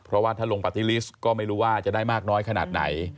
เพราะว่าถ้าลงปาร์ตี้ลิสต์ก็ไม่รู้ว่าจะได้มากน้อยขนาดไหน